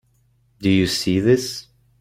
Do you see this?